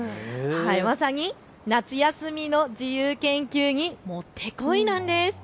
まさに夏休みの自由研究にもってこいなんです。